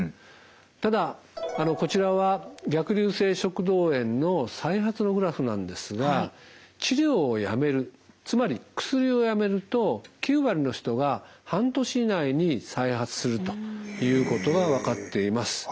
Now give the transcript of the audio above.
ただこちらは逆流性食道炎の再発のグラフなんですが治療をやめるつまり薬をやめると９割の人が半年以内に再発するということが分かっています。